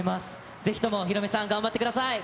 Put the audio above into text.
ぜひとも、ヒロミさん、頑張ってください。